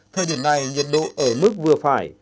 thời điểm này nhiệt độ ở mức vừa phải